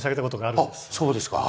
あそうですか。